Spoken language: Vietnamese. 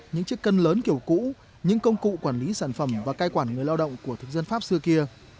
những chiếc cân lớn kiểu cũ những công cụ quản lý sản phẩm và cai quản người lao động của thực dân pháp xưa kia